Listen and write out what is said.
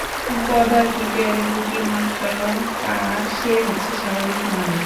পদাতিকের দুটি মাত্র পা, সে হচ্ছে স্বাভাবিক মানুষ।